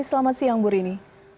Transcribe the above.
selamat siang bu rini